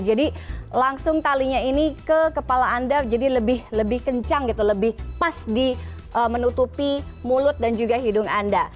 jadi langsung talinya ini ke kepala anda jadi lebih kencang gitu lebih pas di menutupi mulut dan juga hidung anda